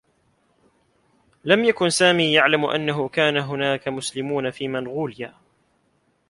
لم يكن سامي يعلم أنّه كان هناك مسلمون في منغوليا.